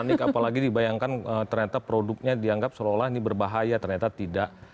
panik apalagi dibayangkan ternyata produknya dianggap seolah olah ini berbahaya ternyata tidak